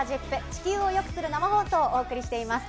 地球をよくする生放送をお送りしています。